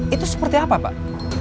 itu seperti apa pak